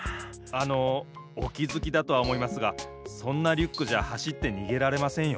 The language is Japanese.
あのおきづきだとはおもいますがそんなリュックじゃはしってにげられませんよ。